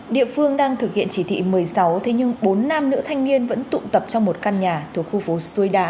địa phương đang thực hiện chỉ thị một mươi sáu thế nhưng bốn nam nữ thanh niên vẫn tụ tập trong một căn nhà thuộc khu phố xuôi đá